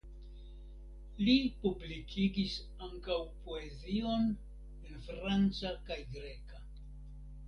Li publikigis ankaŭ poezion en franca kaj greka.